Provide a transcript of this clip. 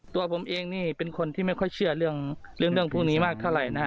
ตัวผมเองนี่เป็นคนที่ไม่ค่อยเชื่อเรื่องเรื่องเรื่องพวกนี้มากเท่าไรนะฮะ